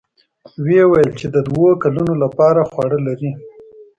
ويې ويل چې د دوو کلونو له پاره خواړه لري.